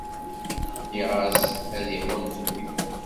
Nniɣ-as ad iḥunn fell-i!